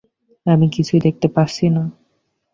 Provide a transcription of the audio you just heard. আমি কিছুই দেখতে পাচ্ছি না।